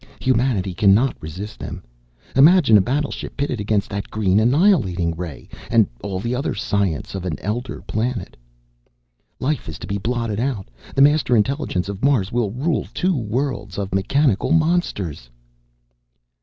Humanity cannot resist them. Imagine a battleship pitted against that green annihilating ray, and all the other science of an elder planet! "Life is to be blotted out! The Master Intelligence of Mars will rule two worlds of mechanical monsters!"